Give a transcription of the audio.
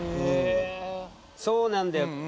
そうなんだよ。